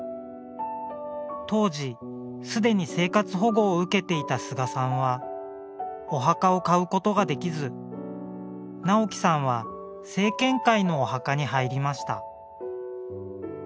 当時すでに生活保護を受けていた菅さんはお墓を買うことができず直紀さんは生健会のお墓に入りました。